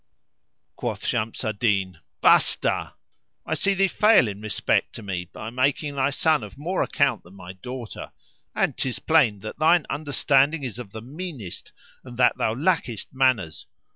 '" Quoth Shams al Din, "Basta! [FN#367] I see thee fail in respect to me by making thy son of more account than my daughter; and 'tis plain that thine understanding is of the meanest and that thou lackest manners.